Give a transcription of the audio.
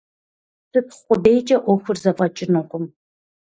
Щытхъу къудейкӀэ Ӏуэхур зэфӀэкӀынукъым.